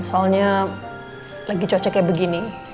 soalnya lagi cocok kayak begini